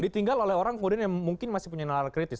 ditinggal oleh orang kemudian yang mungkin masih punya nalar kritis